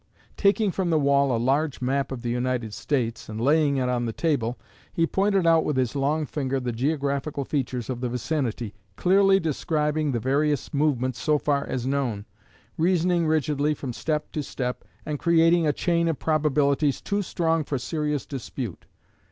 Taking from the wall a large map of the United States, and laying it on the table, he pointed out with his long finger the geographical features of the vicinity, clearly describing the various movements so far as known, reasoning rigidly from step to step, and creating a chain of probabilities too strong for serious dispute.